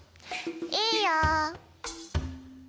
いいよ。